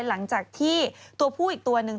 หลังจากที่ตัวผู้อีกตัวหนึ่ง